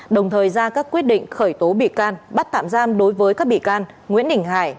đồng thời ra các quyết định khởi tố bị can bắt tạm giam đối với các bị can nguyễn đình hải